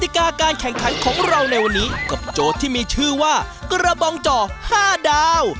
กาการแข่งขันของเราในวันนี้กับโจทย์ที่มีชื่อว่ากระบองจ่อ๕ดาว